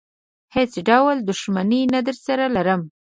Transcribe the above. هېڅ ډول دښمني نه درسره لرم.